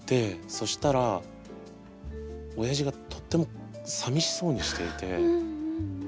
そしたらおやじがとってもさみしそうにしていて。